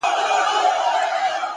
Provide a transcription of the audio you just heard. صادق نیت د لارې تیاره کموي!